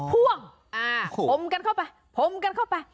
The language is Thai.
พ่วงพมกันเข้าไป